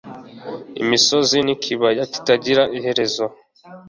Imisozi nikibaya kitagira iherezo